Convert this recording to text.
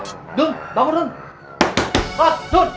kita bisa membantu